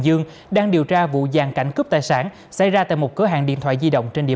dương đang điều tra vụ giàn cảnh cướp tài sản xảy ra tại một cửa hàng điện thoại di động trên địa